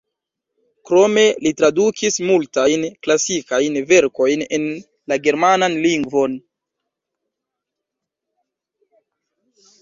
Krome li tradukis multajn klasikajn verkojn en la germanan lingvon.